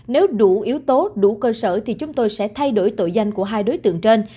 nếu đủ yếu tố đủ cơ sở thì chúng tôi sẽ thay đổi tội danh của hai đối tượng trên